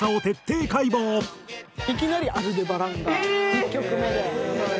いきなり『アルデバラン』が１曲目で。